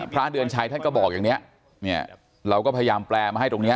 พระเดือนชัยท่านก็บอกอย่างนี้เนี่ยเราก็พยายามแปลมาให้ตรงเนี้ย